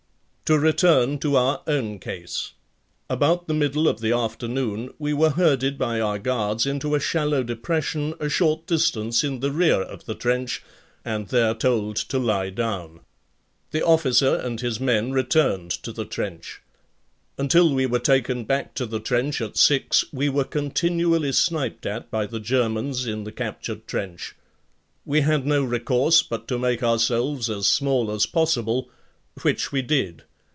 To return to our own case: About the middle of the afternoon we were herded by our guards into a shallow depression a short distance in the rear of the trench and there told to lie down. The officer and his men returned to the trench. Until we were taken back to the trench at six we were continually sniped at by the Germans in the captured trench. We had no recourse but to make ourselves as small as possible, which we did.